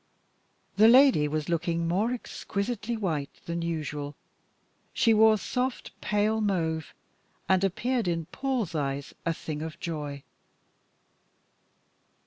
The lady was looking more exquisitely white than usual; she wore soft pale mauve, and appeared in Paul's eyes a thing of joy.